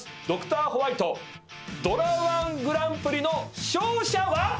『ドクターホワイト』ドラ−１グランプリの勝者は。